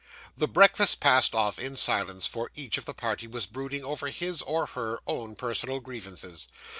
The breakfast passed off in silence, for each of the party was brooding over his, or her, own personal grievances.